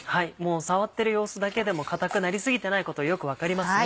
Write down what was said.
触ってる様子だけでも硬くなり過ぎてないことがよく分かりますね。